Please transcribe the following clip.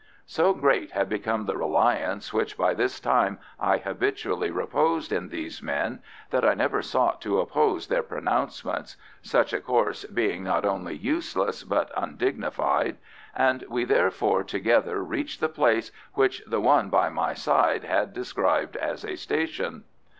So great had become the reliance which by this time I habitually reposed in these men, that I never sought to oppose their pronouncements (such a course being not only useless but undignified), and we therefore together reached the place which the one by my side had described as a station.